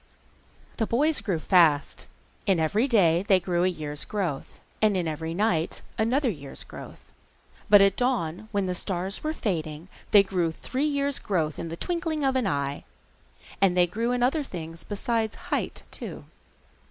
The boys grew fast. In every day they grew a year's growth, and in every night another year's growth, but at dawn, when the stars were fading, they grew three years' growth in the twinkling of an eye. And they grew in other things besides height, too.